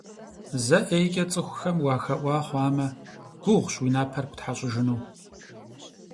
Зэ ӀейкӀэ цӀыхухэм уахэӀуа хъуамэ, гугъущ уи напэр птхьэщӀыжыну.